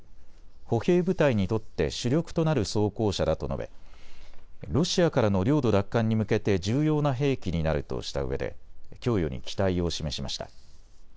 歩兵部隊にとって主力となる装甲車だと述べロシアからの領土奪還に向けて重要な兵器になるとしたうえで供与に期待を示しました。